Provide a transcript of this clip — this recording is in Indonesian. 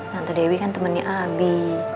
tante dewi kan temennya abi